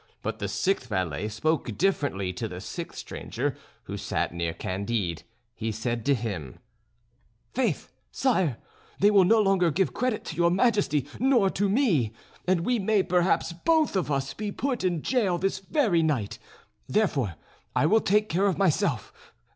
But the sixth valet spoke differently to the sixth stranger, who sat near Candide. He said to him: "Faith, Sire, they will no longer give credit to your Majesty nor to me, and we may perhaps both of us be put in jail this very night. Therefore I will take care of myself.